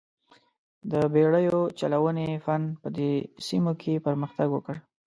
د بېړیو چلونې فن په دې سیمو کې پرمختګ وکړ.